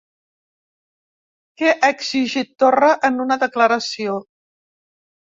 Què ha exigit Torra en una declaració?